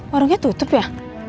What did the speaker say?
warungnya tutup ya